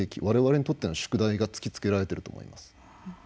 我々にとっての宿題が突きつけられていると思います。